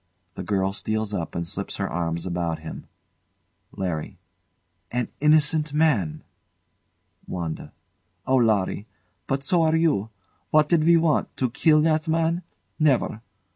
The girl steals up and slips her arms about him. LARRY. An innocent man! WANDA. Oh, Larry! But so are you. What did we want to kill that man? Never!